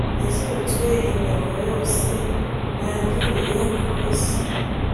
nazinutswe imiruho yose nagiriye ku isi